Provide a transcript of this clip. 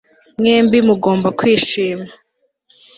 Mwembi mugomba kwishima